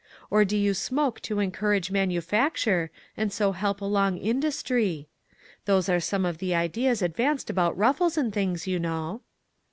or do you smoke to encourage manufacture, and so help along industry ? Those are some of the ideas advanced about ruffles and things, you know."